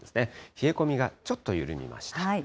冷え込みがちょっと緩みました。